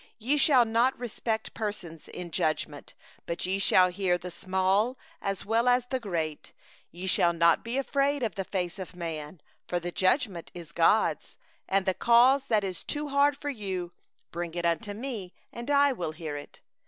17Ye shall not respect persons in judgment; ye shall hear the small and the great alike; ye shall not 1 be afraid of the face of any man; for the judgment is God's; and the cause that is too hard for you ye shall bring unto me, and I will hear it.